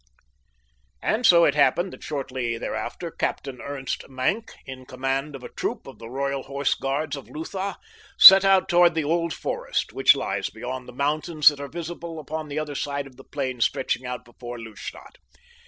And so it happened that shortly thereafter Captain Ernst Maenck, in command of a troop of the Royal Horse Guards of Lutha, set out toward the Old Forest, which lies beyond the mountains that are visible upon the other side of the plain stretching out before Lustadt.